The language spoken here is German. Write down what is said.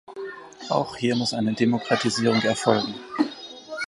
Auch hier muss eine Demokratisierung erfolgen!